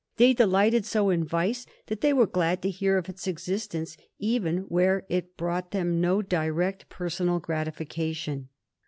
They delighted so in vice that they were glad to hear of its existence even where it brought them no direct personal gratification.